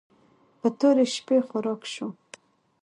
په تورې شپې خوراک شو.